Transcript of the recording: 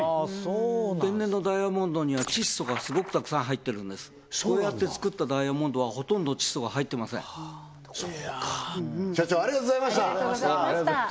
天然のダイヤモンドには窒素がすごくたくさん入ってるんですこうやって作ったダイヤモンドはほとんど窒素が入ってませんそうか社長ありがとうございましたありがとうございました